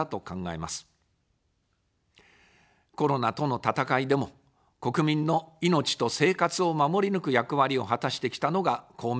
コロナとの闘いでも、国民の命と生活を守り抜く役割を果たしてきたのが公明党です。